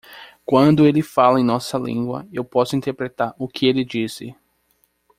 Quando ele fala em nossa língua, eu posso interpretar o que ele disse.